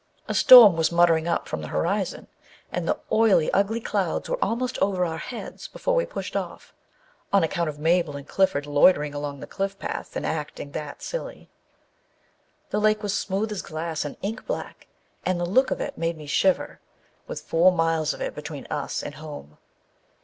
A storm was muttering up from the horizon, and the oily, ugly clouds were almost over our heads before we pushed off, on account of Mabel and Clifford loitering along the cliff path and acting that silly ! The lake was smooth as glass and ink black, and the look of it made me shiver, with four miles of it between us and home.